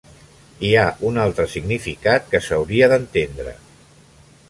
Hi ha un altre significat que s'hauria d'entendre.